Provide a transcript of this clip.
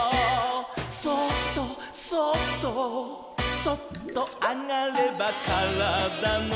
「そっとそっとそっとあがればからだの」